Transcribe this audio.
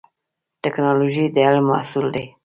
ټکنالوژي د علم محصول دی